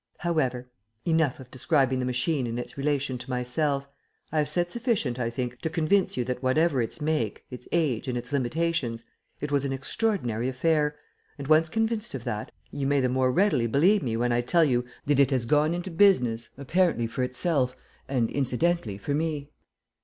However, enough of describing the machine in its relation to myself. I have said sufficient, I think, to convince you that whatever its make, its age, and its limitations, it was an extraordinary affair; and, once convinced of that, you may the more readily believe me when I tell you that it has gone into business apparently for itself and incidentally for me.